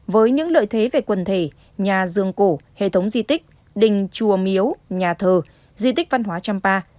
với những lợi thế về quần thể nhà giường cổ hệ thống di tích đình chùa miếu nhà thờ di tích văn hóa trăm pa